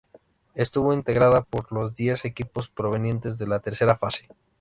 Estuvo integrada por los diez equipos provenientes de la Tercera fase.